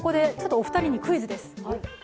お二人にクイズです。